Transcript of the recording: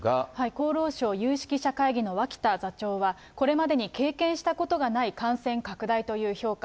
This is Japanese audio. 厚労省有識者会議の脇田座長は、これまでに経験したことがない感染拡大という評価。